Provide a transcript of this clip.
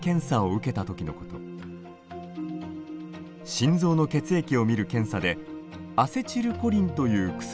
心臓の血液を見る検査でアセチルコリンという薬を注入。